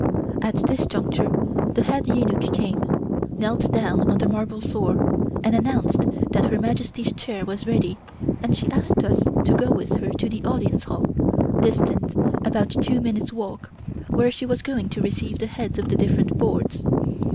At this juncture the head eunuch came, knelt down on the marble floor and announced that Her Majesty's chair was ready and she asked us to go with her to the Audience Hall, distant about two minutes' walk, where she was going to receive the heads of the different Boards.